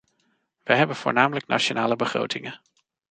We hebben voornamelijk nationale begrotingen.